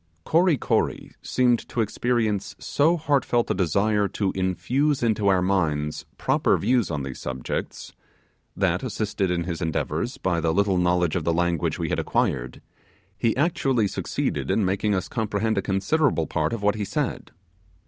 Kory Kory seemed to experience so heartfelt a desire to infuse into our minds proper views on these subjects, that, assisted in his endeavours by the little knowledge of the language we had acquired, he actually made us comprehend a considerable part of what he said.